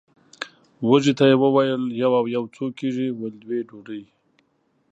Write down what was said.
وږي ته یې وویل یو او یو څو کېږي ویل دوې ډوډۍ!